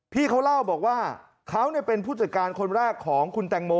พี่เขาเล่าบอกว่าเขาเป็นผู้จัดการคนแรกของคุณแตงโม